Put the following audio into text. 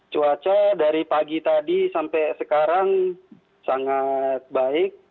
cuaca dari pagi tadi sampai sekarang sangat baik